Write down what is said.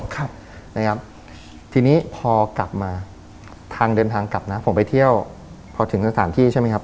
ครับนะครับทีนี้พอกลับมาทางเดินทางกลับนะผมไปเที่ยวพอถึงสถานที่ใช่ไหมครับ